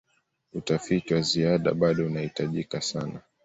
utafiti wa ziada bado unahitajika sana